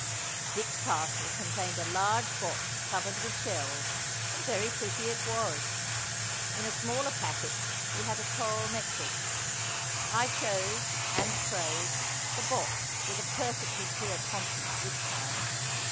Dick's parcel contained a large box covered with shells, and very pretty it was. In a smaller packet he had a coral necklace. I chose—and praised—the box with a perfectly clear conscience this time.